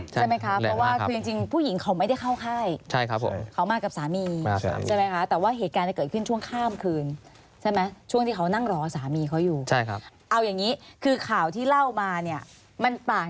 ใช่ไหมคะเพราะว่าคือจริงผู้หญิงเขาไม่ได้เข้าค่ายใช่ไหมคะ